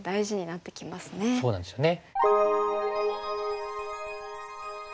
そうなんですよね。